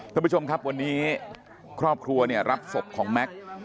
ท่านผู้ชมครับวันนี้ครอบครัวเนี่ยรับศพของแม็กซ์